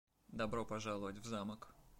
Добро пожаловать в Замок.